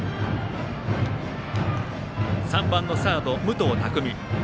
３番のサード、武藤匠海。